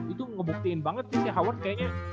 itu ngebuktiin banget si howard kayaknya